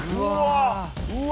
うわ！